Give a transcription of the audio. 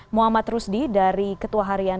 muhammad rusdi dari ketua harian